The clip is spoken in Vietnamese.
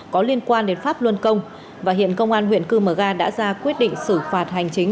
có liên quan đến pháp luân công và hiện công an huyện cư mờ ga đã ra quyết định xử phạt hành chính